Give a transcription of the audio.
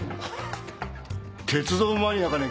鉄道マニアかね？